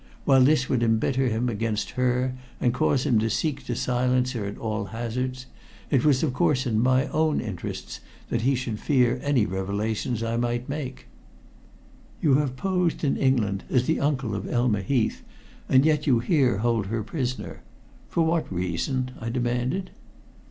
While this would embitter him against her and cause him to seek to silence her at all hazards, it was of course in my own interests that he should fear any revelations that I might make. "You have posed in England as the uncle of Elma Heath, and yet you here hold her prisoner. For what reason?" I demanded.